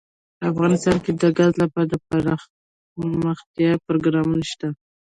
افغانستان کې د ګاز لپاره دپرمختیا پروګرامونه شته.